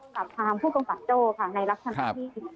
กับทางผู้กำกัดโจค่ะในลักษณะที่มีการถูก